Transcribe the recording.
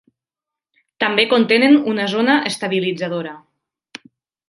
També contenen una zona estabilitzadora.